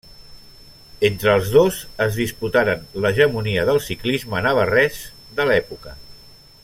Entre els dos es disputaren l'hegemonia del ciclisme navarrès de l'època.